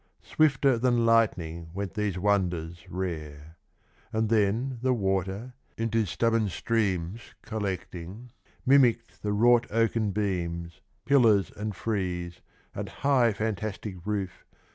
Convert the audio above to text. Swifter than lightning went these wonders rare ; And then the water, into stubborn streams Collecting, mimick'd the wrought oaken beams, Pillars and frieze, and high fantastic roof.